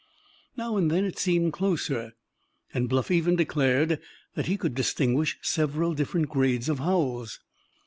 Now and then it seemed closer; and Bluff even declared that he could distinguish several different grades of howls.